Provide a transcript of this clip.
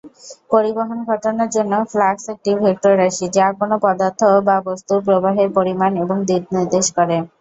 পরিবহন ঘটনার জন্য, ফ্লাক্স একটি ভেক্টর রাশি, যা কোনও পদার্থ বা বস্তুর প্রবাহের পরিমাণ এবং দিক নির্দেশ করে।